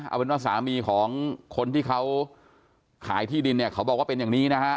เอาเป็นว่าสามีของคนที่เขาขายที่ดินเนี่ยเขาบอกว่าเป็นอย่างนี้นะฮะ